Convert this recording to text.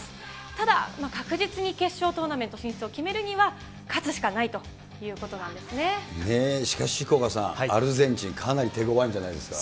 ただ確実に決勝トーナメント進出を決めるには、勝つしかないといしかし福岡さん、アルゼンチン、かなり手ごわいんじゃないですか。